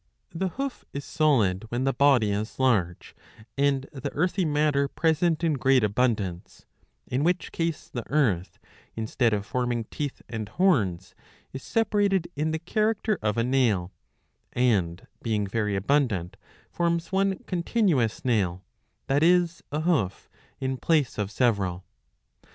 The hoof is solid when the body is large and the earthy matter present in great abundance ; in which case the earth, instead of forming teeth and horns, is separated in the character of a nail, and being very abundant forms one continuous nail, that is a hoof, in place . of several.